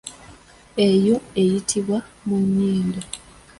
Eyo eyitibwa muyindu.